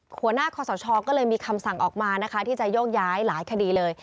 หัวหน้าคอสชก็เลยมีคำสั่งออกมานะคะที่จะโยกย้ายหลายคดีเลย